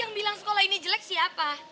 yang bilang sekolah ini jelek siapa